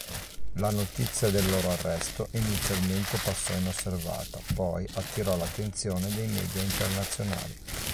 La notizia del loro arresto inizialmente passò inosservata, poi attirò l'attenzione dei media internazionali.